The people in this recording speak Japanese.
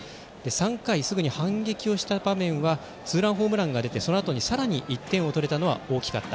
３回、すぐに反撃をした場面はツーランホームランが出てそのあと、さらに１点を取れたのは大きかった。